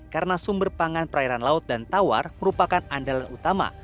karena sumber pangan perairan laut dan tawar merupakan andalan utama